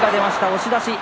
押し出し。